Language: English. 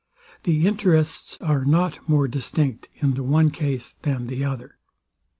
The interests are not more distinct in the one case than the other.